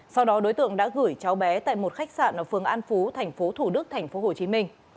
sau đó đối tượng đã gửi cháu bé tại một khách sạn ở phường an phú thành phố thủ đức thành phố hồ chí minh